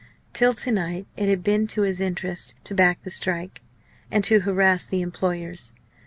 Till to night it had been to his interest to back the strike, and to harass the employers.